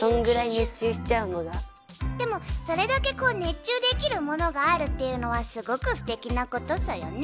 でもそれだけこう熱中できるものがあるっていうのはすごくステキなことソヨね。